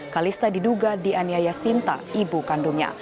kalista diduga dianiaya sinta ibu kandungnya